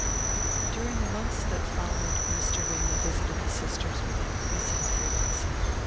V During the months that followed, Mr. Ramy visited the sisters with increasing frequency.